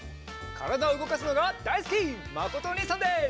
からだをうごかすのがだいすきまことおにいさんです！